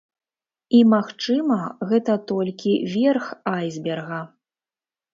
І, магчыма, гэта толькі верх айсберга.